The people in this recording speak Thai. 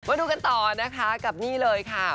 มาดูกันต่อนะคะกับนี่เลยค่ะ